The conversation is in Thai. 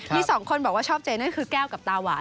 มีสองคนบอกว่าชอบเจนั่นคือแก้วกับตาหวาน